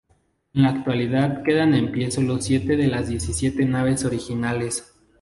En la actualidad quedan en pie solo siete de las diecisiete naves originales.